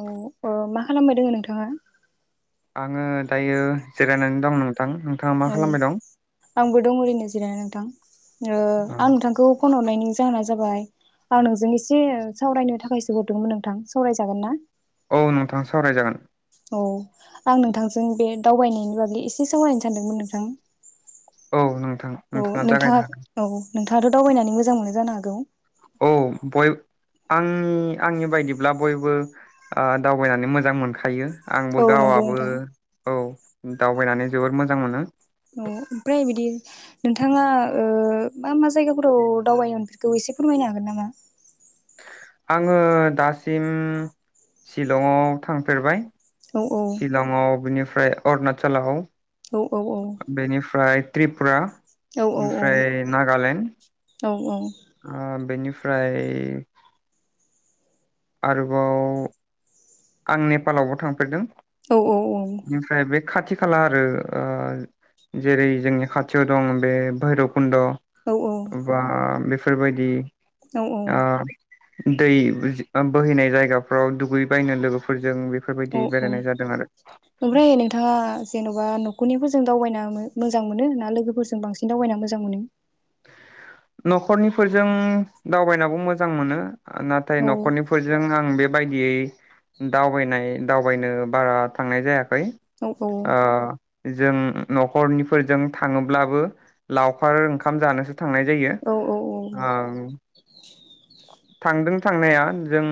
औ ओ मा खालामबाय दोङ नोंथाङा आङो दायो जिरायनानै दं नो नोंथां नोंथाङा मा औ खालामबाय दं आंबो दं ओरैनो जिरायना नोंथां ओ आं नोंथांखौ फन हरनायनि जाहोना जाबाय आं नोंजों एसे सावरायनो थाखायसो हरदोंमोन नोंथां सावरायजागोन ना? औ नोंथाङा सावराय जागोन। औ आं नोंथांजों बे दावबायनायनि बागै एसे सावरायनो सानदोंमोन नोंथां। औ नोंथां नोंथाङा जागायनो हागोन। आथ' दावबायनानै मोजां मोनो जानो हागौ! औ बय- आंनि आंनि बायदिब्ला बयबो आ दावबायनानै मोजां मोनखायो। औ आंबो नंगौ गावाबो नोंथां औ। दावबायनानै जोबोर मोजां मोनो। अ ओमफ्राय बिदि नोंथाङा ओ मा मा जायगाफोराव दावबायनायफोरखौ एसे फोरमायनो हागोन नामा? आङो दासिम शिलङा थांफेरबाय। औ औ शिलङाव बेनिफ ओमफ्राय अरुणाचलाव औ औ [inaudible] बेनिफ्राय त्रिपुरा औ ओमफ्राय नागालेण्ड औ औ। ओ बेनिफ्राय आरोबाव आं नेपालावबो थांफेरदों। औ औ औ। बेनिफ्राय बे खाथि खाला आरो ओ जेरै जोंनि खाथियाव दं बे भैरब खन्द' औ बा बेफोरबायदि औ अ दै बोहैनाय जायगाफ्राव दुगै बायनो लोगोफोरजों बेफोरबायदि औ औ बेरायनाय जादों आरो ओमफ्राय नोंथाङा जेन'बा न खरनिफोरजों दावबायना मो-मोजां मोनो ना लोगोफोरजों बांसिन दावबायना मोजां मोनो? न'खरनिफोरजों दावबायनायावबो मोजां मोनो। नाथाय औ न'खरनिफोरजों आं बे बायदियै दावबायनाय दावबायनो बारा थांनाय जाया खै औ औ ओ जों न'खरनिफोरजों थाङोब्लाबो लावखार ओंख खाम जानोसो थांनाय जायो औ औ ओं [inaudible] थांदों थांनाया जों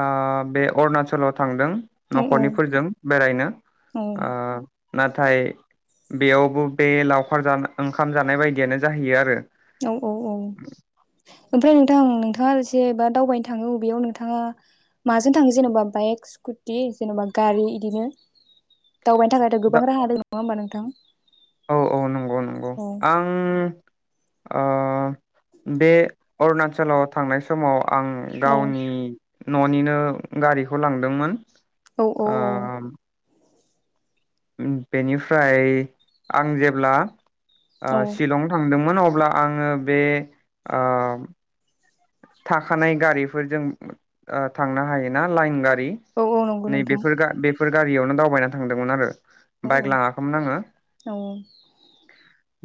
आ बे अरणाचलाव थांदों औ नखरनिफोरजों बेरायनो ओ नाथाय, बेयावबो बे लावखार जा- ओंखाम जानाय बायदियानो जाहैयो आरो। औ औ औ [unintelligible] ओमफ्राय नोंथां नोंथाङा एसेबा दावबायनो थाङो अबेयाव नोंथाङा माजों थाङो जेनबा बाइक स्कुटि जेनबा गारि इदिनो दावबायनो थाखायथ दा गोबां राहा दङ‌ नङा ओमबा नों थां औ औ नंगौ नंगौ आं ओ बे अरुणाचलाव थांनाय समाव आं औ गावनि न'निनो गारिखौ लांदोंमोन। औ औ औ उम बेनिफ्राय आं जेब्ला ओ औ शिलं थांदों उनावब्ला आङो बे ओ थाखानाय गारिफोरजों ओ थांनो हायोना लाइन गा नि औ औ नंगौ नै नोंथां बेफोरगा बे फोर गारियावनो दावबायना थांदोंमोन आरो। औ बाइक लाङाखैमोन आङो औ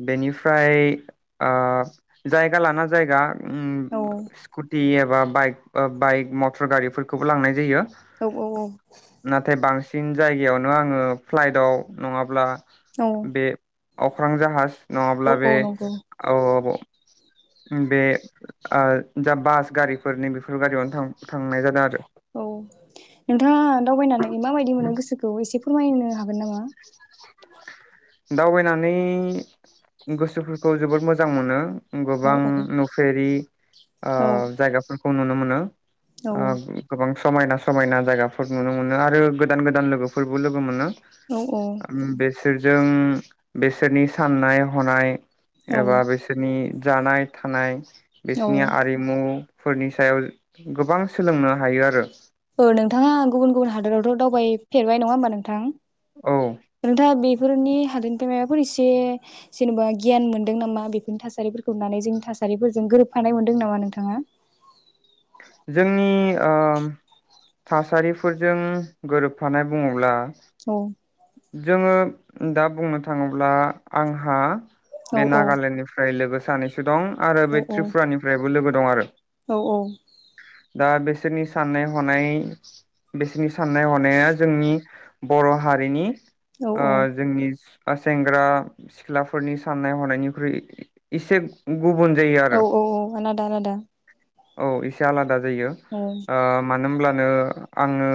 बेनिफ्राय ओ जायगा लाना जायगा उम औ सकुटियेर बा बाइक बा बाइक मटर गारिफोरखौबो लांनाय जायो। औ औ औ फिन जायगायावनो आङो फ्लाइटआव नङाब्ला औ बे अख्रां जाहाज औ नङाब्ला औ बे नंगौ ओब उम बे ओ जा बास गारिफोरनि बेफोर गारियावनो थां-थांनाय जादों आरो औ नोंथाङा दावबायनानै माबायदि मोनो गोसोखौ एसे फोरमायनो हागोन नामा? दावबायनानै गोसोफोरखौ जोबोद मोजां मोनो। औ गोबां औ नुफेरि ओ औ जायगाफोर खौ नुनो मोनो। औ ओ गोबां समायना समायना जायगाफोर नुनो मोनो आरो गोदान गोदान लोगोफोरबो लोगो मोनो। औ औ ओम बेसोर जों बिसोरनि साननाय हनाय औ एबा बेसोरनि जानाय थानाय औ बिसोरनि आरिमु फोरनि सायाव गोबां सोलोंनो हायो आरो। ओ नोंथाङा गुबुन गुबुन हादोरावथ' दावबाय फेरबाय नङा होमबा नोंथां? औ नोंथाङा बिब बेफोरनि हादोरनिफ्राय मायबाफोर एसे जेन'बा गियान मोनदों नामा बेफोरनि थासारिफोरखौ नुनानै जोंनि थासारिफोरजों गोरोबफानाय मोनदों नामा नोंथाङा? जोंनि ओ थासारिफोरजों गोरोबफानाय बुङोब्ला औ। जोङो दा बुंनो थाङोब्ला आंहा औ बे औ नागालेण्डनिफ्राय लोगो सानैसो दं आरो औ बे औ त्रिपुरानिफ्रायबो लोगो दं आरो। औ दा बिसोरनि साननाय हनाय बिसोरनि साननाय हनाया जोंनि बर' हारिनि औ ओ जोंनि ओ सेंग्रा सिख्लाफोरनि साननाय हनायनिख्रुइ इसे औ औ औ आलादा आलादा। औ इसे आलादा। जायो औ ओ मानो होनब्ला नो आङो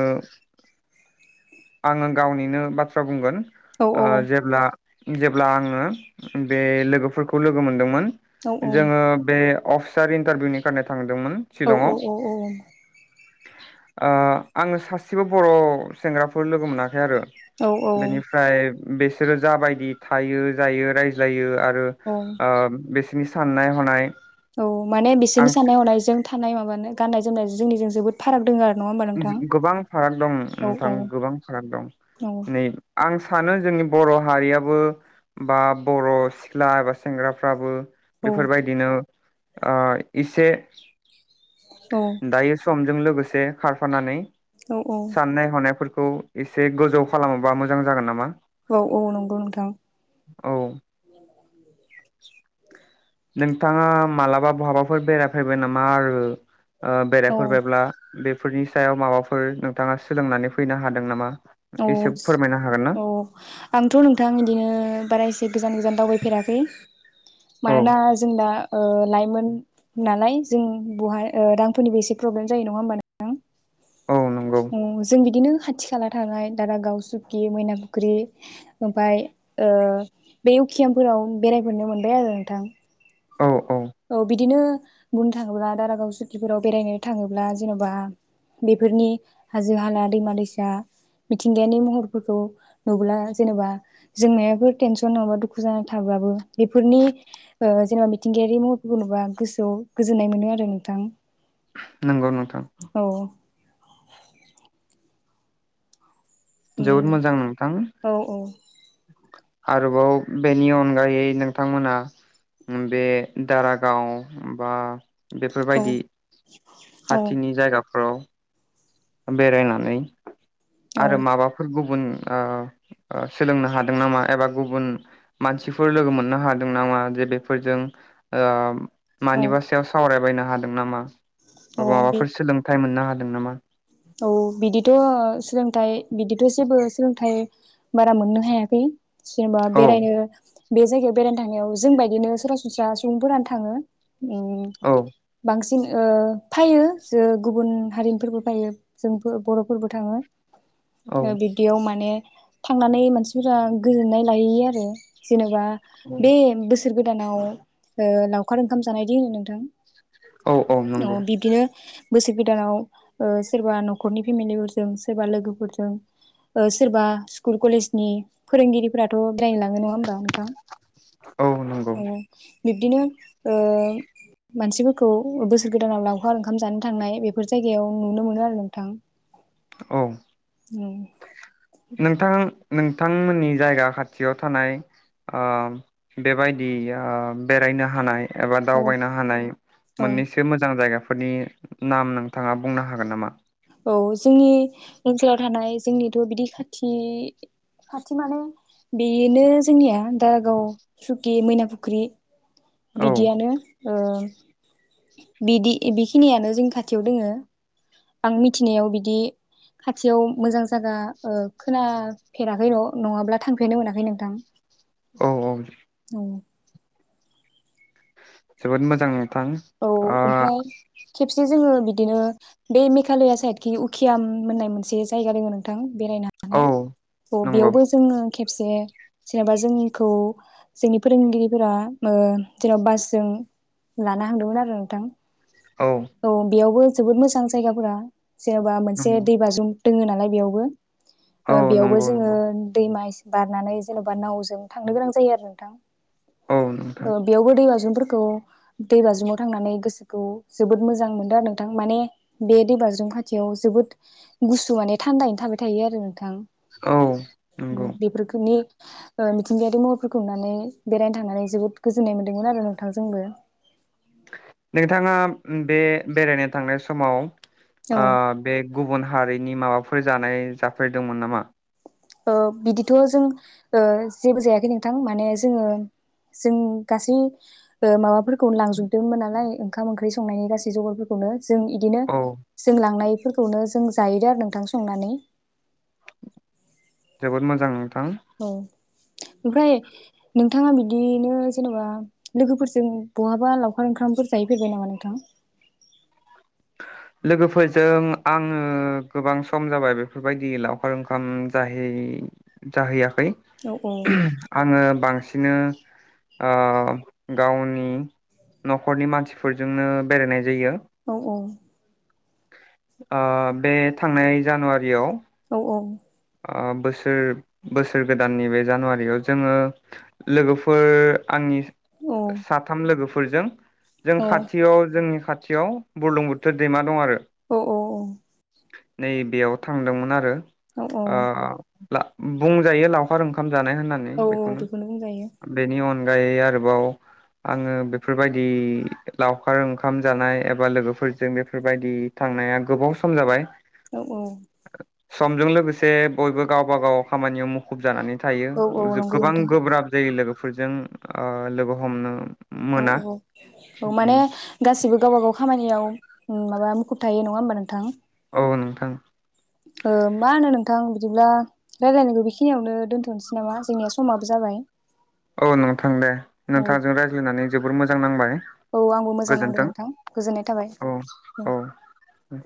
आङो गावनिनो बाथ्रा बुंगोन। औ ओ औ जेब्ला जेब्ला आङो बे लोगोफोरखौ लोगो मोनदोंमोन। औ जोङो बे अफिसार इन्टारभिउनि [unintelligible] औ औ शिलंआव औ औ। ओ आङो सासेबो बर' सेंग्राफोर लोगो मोनाखै आरो। औ औ। बेसोरो जाबायदि थायो जायो रायज्लायो आ ओ औ ओ बेसे बिनि साननाय हनाय औ माने आं बिसोरनि साननाय हनाय जों थानाय माबानो गाननाय जोमनायजों जोंनिजों जोबोद फाराग दोंङो आरो। नङा होमबा नोंथां गोबां फाराग दं औ नोंथां औ गोबां फाराग दं औ नै आं सानो जोंनि बर' हारियाबो बा बर' सिख्ला एबा सेंग्राफ्राबो औ बेफोरबायदिनो ओ इसे औ दायो समजों लोगोसे खारफानानै औ साननाय हनायफोर खौ एसे गोजौ खालामोबा मोजां जागोन नामा। औ -औ नंगौ नोंथां। औ [unintelligible] नोंथाङा मालाबा बहाबाफोर बेरायफैबाय नामा आरो औ बेरायफोरबायब्ला बे फोरनि सायाव माबाफोर नोंथाङा सोलोंनानै फैनो हादों नामा। एसे औ- फोरमायनो हागोन ना औ आंथ' नोंथां बिदिनो बारा एसे गोजान गोजान दावबाय फेराखै औ मानोना जोंदा ओ लाइमोन नालाय जों बहाय ओ रांफोरनिबो एसे प्रब्लेम जायो नङा होमबा नोंथां। औ नंगौ अ जों बिदिनो खाथि खाला थानाय दारागाव सुकि मैना फुख्रि ओमफाय ओ बे उखियामफोराव बेरायहनो मोनबाय आरो नोंथां। औ औ औ बिदिनो बुंनो थाङोब्ला दारागाव सुखिफोराव बेरायनो थाङोब्ला जेन'बा बेफोरनि हाजो हाला दैमा दैसा मिथिंगायानि महरफोरखौ नुब्ला जेन'बा जों मायबाफोर टेनसन नङाबा दुखु जाना थाब्लाबो बेफोरनि ओ जेनेबा मिथिंगायारि महर खौनुबा गोसोआव गोजोननाय मोनो आरो नोंथां। नंगौ नोंथां। औ जोबोद उम मोजां नोंथां। औ आरोबाव बेनि अनगायै नोंथांमोना बे दारागाव बा औ बेफोरबायदि खाथिनि औ जायगा औ बेरायनानै आरो औ माबाफोर ओ सोलोंनो हादों नामा एबा गुबुन मानसिफोर लोगो मोननो हादों नामा जे बेफोरजों ओ औ मानिबा सायाव सावरायबाय ना हादों नामा? औ बे माबाफोर सोलोंथाइ मोननो हायो? दों नामा औ बिदिथ' सोलोंथाइ बिदिथ' जेबो सोलोंथाइ बारा मोननो हायाखै। जेनेबा औ बेरायनो बे जायगायाव बेरायनो थांनायाव जों बादिनो सरासनस्रा सुबुंफोरानो थाङो। उम औ बांसिन ओ फैयो जे गुबुन हारिनिफोरबो फैयो। जोंबो बर'फोरबो थाङो। औ ओ बिदियाव माने थांनानै मानसिफोरा गोजोननाय लायैयो आरो जेनेबा बे बो सोर गोदानाव ओ लावखार ओंखाम जानायदि होनो नोंथां। औ औ नंगौ बोसोर गोदानाव ओ सोरबा न'खरनि फेमिलिफोरजों सोरबा लोगोफोरजों ओ सोरबा स्कुल कलेजनि फोरोंगिरिफोराथ' बेरायनो लाङो नङा होनबा नोंथां औ नंगौ औ। बिब्दिनो ओ मानसिफोरखौ बोसोर गोदानाव लांफा ओंखाम जानो थांनाय बेफोर जायगायाव नुनो मोनो आरो नोंथां औ उम नोंथां नोंथांमोननि जायगा खाथियाव थानाय ओ बेबायदि ओ बेरायनो हानाय एबा औ दावबायनो हानाय औ मोननैसो मोजां जायगा फोरनि नाम नोंथाङा बुंनो हागोन नामा? औ जोंनि ओनसोलाव थानाय जोंनिथ' बिदि खाथि खाथि माने बेनो जोंनिया दारागाव मैनाफुख्रि औ बिदियानो ओ बिदि बेखिनियानो जोंनि खाथियाव दोङो। आं मिथिनायाव बिदि खाथियाव मोजां जायगा ओ खोनाफेराखै र' नङाब्ला थांफेरनो मोनाखै नोंथां। औ औ औ जोबोद मोजां नोंथां औ ओ ओमफ्राय खेबसे जोङो बिदिनो बे मेघालया साइदखिनि उकियाम होननाय मोनसे जायगा दङ नोंथां। बेरायनानै औ औ नंगौ बेयावबो जोङो खेब से जेनेबा जोंखौ जोंनि फोरोंगिरिफोरा ओ जेन'बा बास जों लाना हांदोंमोन आरो नोंथां। औ बेयावबो जोबोद मोजां जायगाफोरा जेन'बा मोनसे नंगौ दैबाज्रुम दोङ नालाय बेयावबो औ ओ बेयावबो नंगौ जोङो नंगौ दैमा एस बारनानै जेन'बा नावजों थांनो गोनां जायो आरो नोंथां। औ नोंथां ओ बेेयावबो दै बाज्रुम फोर खौ दैबाज्रुमाव थांनानै गोसोखौ जोबोद मोजां मोनदों आरो नोंथां माने बे दैबाज्रुम खाथियाव जोबोद गुसु माने थान्दायैनो थाबाय थायो आरो नोंथां। औ हुम नंगौ बेफोरखोनि ओ मिथिंगायारि महरफोरखौ नुनानै बेरायनो थांनानै जोबोद गोजोन्नाय मोन्दोंमोन आरो नोंथां जोंबो। नोंथाङा बे बेरायनो थांनाय समाव औ ओ बे गुबुन हारिनि माबाफो फोर जानाय जाफेरदोंमोन नामा? ओ बिदिथ' जों ओ जेबो जायाखै नोंथां माने जोङो जों गासै ओ माबाफोर खौ लांजोबदों मोनालाय ओंखाम ओंख्रै सं संनायनि गासै जगारफोरखौनो जों इदिनो औ जों लांनायफोरखौनो जों जाहैदों आरो नोंथां संनानै। जोबोद मोजां। नोंथां औ ओमफ्राय नोंथाङा बिदि नो जेनेबा लोगोफोरजों बहाबा लावखार ओंखामफोर जाहैफेरबाय नामा नोंथां? लोगोफोरजों आङो गोबां सम जाबाय बेफोरबायदि लावखार ओंखाम जाहै जाहैया खै औ आङो बांसि दिनो ओ गावनि न'खरनि मानसिफोरजोंनो बेरायनाय जायो। औ औ। ओ बे थांनाय जानुवारियाव औ औ ओ बोसोर बोसोर गोदाननि बे जानुवारियाव जोङो लोगोफोर आंनि औ साथाम लोगोफ फोरजों जों खाथियाव जोंनि खाथियाव बुरलुंबुथोर दैमा दं आरो। औ औ औ। नै बेेयाव थांदोंमोन आरो। औ अ ला बुंजायो लावखार ओंखाम जानाय होननानै औ औ बेखौनो बुंजायो बेनि अन अनगायै आरोबाव आङो बेफोरबायदि लावखार ओंखाम जानाय एबा लोगोफोरजों बेफोरबायदि थांनाया गोबाव सम जाबाय। औ औ। समजों लोगोस से बयबो गावबा गाव खामानियाव मुखुब जानानै थायो औ औ [unintelligible] नंगौ गोबां नोंथां गोब्राब जायो लोगोफोर फोरजों ओ लोगो हमनो औ मोना औ औ माने गासिबो गावबा गाव खामानियाव माबा मु खुब थायो नंङा होमबा नोंथां औ नोंथां ओ मा होनो नोंथां बिदिब्ला रायलायनायखौ बेखिनियावनो दोनथनोसै नामा जोंनिया समाबो जाबाय औ नोंथां दे औ नोंथांजों रायज्लायनानै जोबोर मोजां नांबाय औ आंबो मोजां नांदों गोजोन्थों नोंथां गोजोननाय थाबाय औ औ